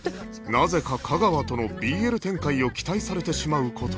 なぜか架川との ＢＬ 展開を期待されてしまう事に